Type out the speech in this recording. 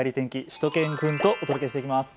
しゅと犬くんとお届けしています。